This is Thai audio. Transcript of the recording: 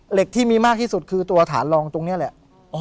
ที่มีมากที่สุดคือตัวฐานรองตรงนี้แหละ